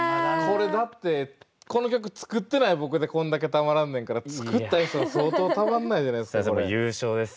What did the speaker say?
これだってこの曲作ってない僕でこんだけたまらんねんから作った人は相当たまんないんじゃないですか？